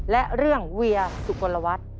และเรื่องเวียสุโกนละวัด